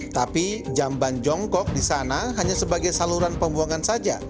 tapi jamban jongkok di sana hanya sebagai saluran pembuangan saja